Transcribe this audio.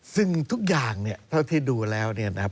ซึ่งทุกอย่างเนี่ยเท่าที่ดูแล้วเนี่ยนะครับ